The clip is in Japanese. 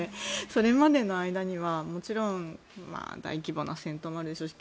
それまでの間にはもちろん大規模な戦闘もあるでしょうし